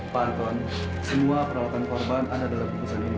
pa anthon semua perawatan korban anda dalam keputusan ini pa